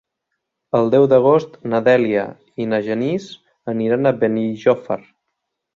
El deu d'agost na Dèlia i en Genís aniran a Benijòfar.